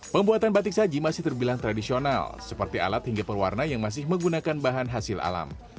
pembuatan batik saji masih terbilang tradisional seperti alat hingga pewarna yang masih menggunakan bahan hasil alam